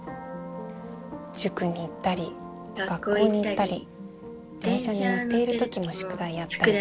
塾に行ったり学校に行ったり電車に乗っている時も宿題やったり。